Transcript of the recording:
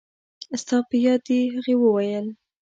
ستا په یاد دي؟ هغې وویل.